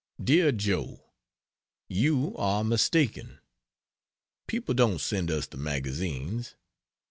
DEAR JOE, You are mistaken; people don't send us the magazines.